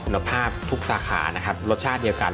ภาพทุกสาขานะครับรสชาติเดียวกัน